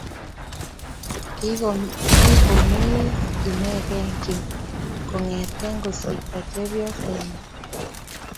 Kigomengiis inegei Kim kongete kosirto chepyosenyi